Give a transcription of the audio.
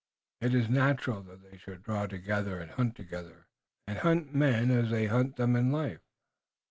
It is natural that they should draw together and hunt together, and hunt men as they hunted them in life."